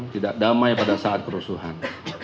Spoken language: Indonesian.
tidak damai pada saat kerusuhan